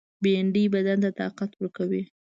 بېنډۍ بدن ته طاقت ورکوي